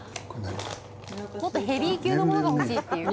もっとヘビー級のものが欲しいっていう。